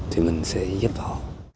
thì mình sẽ giúp họ